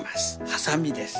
はさみです。